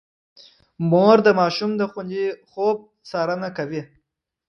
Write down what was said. مور د ماشوم د خوندي خوب څارنه کوي.